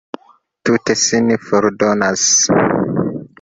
Tute sin fordonas!